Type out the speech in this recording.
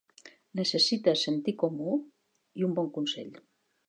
Necessites sentit comú i un bon consell.